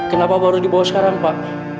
kenapa baru dibawa sekarang pak